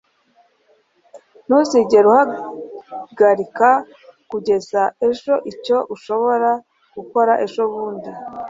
ntuzigere uhagarika kugeza ejo icyo ushobora gukora ejobundi